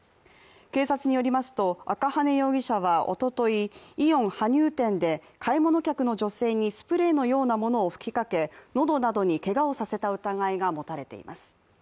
警察によりますと赤羽容疑者はおととい、イオン羽生店で買い物客の女性にスプレーのようなものを吹きかけ喉などにけがをさせた疑いが持たれています。